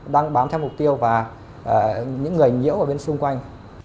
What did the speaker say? đang bám theo mục tiêu và những người nhiễu ở bên xung quanh